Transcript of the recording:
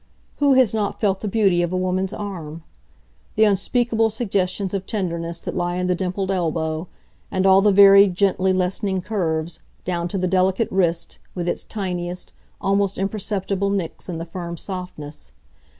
Who has not felt the beauty of a woman's arm? The unspeakable suggestions of tenderness that lie in the dimpled elbow, and all the varied gently lessening curves, down to the delicate wrist, with its tiniest, almost imperceptible nicks in the firm softness.